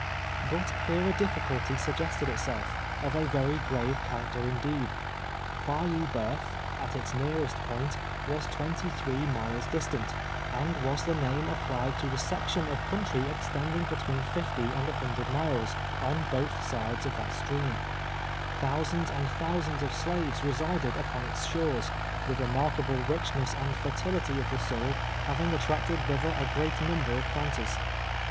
But here a ditticulty suggested itself, of a very grave character indeed. Bayou Bceuf, at its nearest point, was twenty three miles distant, and was the name applied to the section of country extending between fifty and a hundred miles, on bo\h sides of that stream, llionsands and thousands of slaves resided upon its shores, the remarkable richness and fertility^ of the soil having attracted thither a great number of planters.